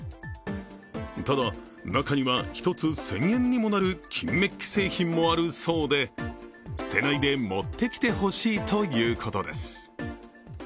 ただ、中には１つ１０００円にもなる金メッキ製品もあるそうで、捨てないで持ってきてほしいということです。